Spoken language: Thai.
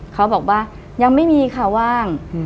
เขาบอกว่ายังไม่มีค่ะว่าง